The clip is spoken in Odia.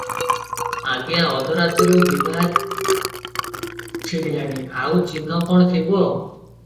"ଆଜ୍ଞା! ଅଧ ରାତିରୁ ବିଭା ଛିଡ଼ିଲାଣି, ଆଉ ଚିହ୍ନ କଣ ଥିବ?